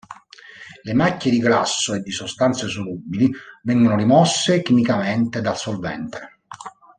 Le macchie di grasso e di sostanze solubili vengono rimosse chimicamente dal solvente.